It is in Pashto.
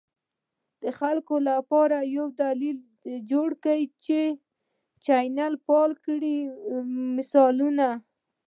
د خلکو لپاره یو دلیل جوړ کړه چې چینل فالو کړي، مثالونه: